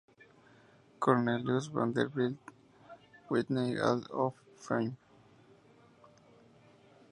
Cornelius Vanderbilt Whitney Hall of Fame.